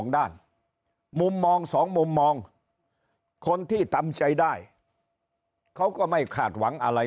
ด้านมุมมอง๒มุมมองคนที่ทำใจได้เขาก็ไม่คาดหวังอะไร